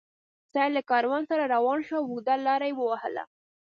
سید له کاروان سره روان شو او اوږده لار یې ووهله.